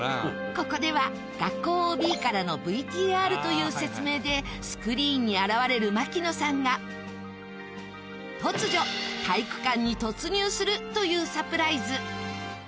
ここでは学校 ＯＢ からの ＶＴＲ という説明でスクリーンに現れる槙野さんが突如体育館に突入するというサプライズ